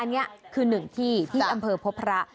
อันนี้คือหนึ่งที่ที่อำเภอพบพระ